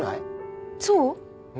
そう？